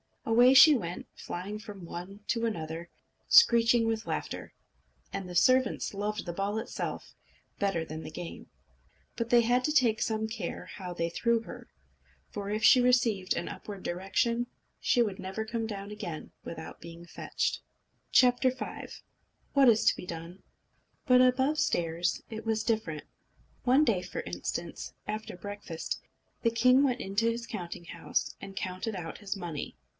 Away she went, flying from one to another, screeching with laughter. And the servants loved the ball itself better even than the game. But they had to take some care how they threw her, for if she received an upward direction, she would never come down again without being fetched. V What Is to Be Done? But above stairs it was different. One day, for instance, after breakfast, the king went into his counting house, and counted out his money.